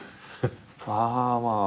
ああまあ。